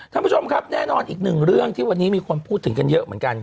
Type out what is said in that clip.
ท่านผู้ชมครับแน่นอนอีกหนึ่งเรื่องที่วันนี้มีคนพูดถึงกันเยอะเหมือนกัน